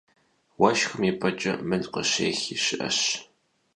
Уэшхым и пӀэкӀэ мыл къыщехи щыӀэщ.